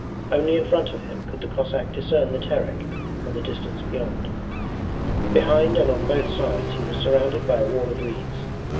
Only in front of him could the Cossack discern the Terek and the distance beyond. Behind and on both sides he was surrounded by a wall of reeds.